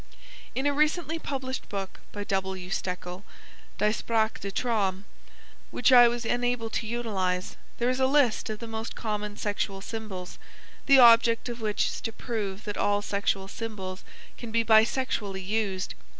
In a recently published book by W. Stekel, Die Sprache des Traumes, which I was unable to utilize, there is a list of the most common sexual symbols, the object of which is to prove that all sexual symbols can be bisexually used.